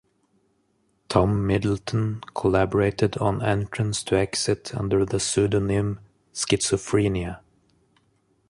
Tom Middleton collaborated on "Entrance to Exit" under the pseudonym "Schizophrenia".